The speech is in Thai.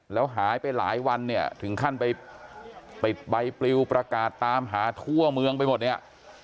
แล้วหายไปหลายวันเนี่ยถึงขั้นไปติดใบปลิวประกาศตามหาทั่วเมืองไปหมดเนี่ย